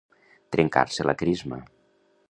Trencar-se la crisma.